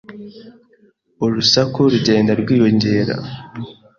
Urusaku rugenda rwiyongera.